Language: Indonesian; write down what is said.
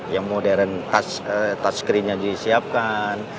yang modern touch screen nya disiapkan